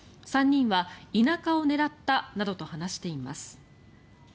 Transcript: ３人は田舎を狙ったなどと話しています。